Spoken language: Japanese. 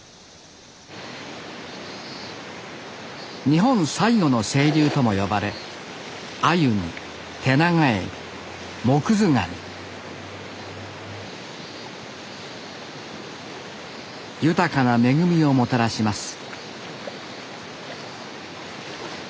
日本最後の清流とも呼ばれアユにテナガエビモクズガ二豊かな恵みをもたらします